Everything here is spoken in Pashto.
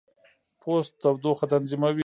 پوست تودوخه تنظیموي.